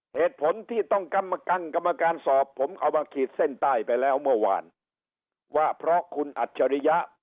เหตุผลที่ต้องกรรมการกรรมการสอบผมเอามาขีดเส้นใต้ไปแล้วเมื่อวานว่าเพราะคุณอัจฉริยะ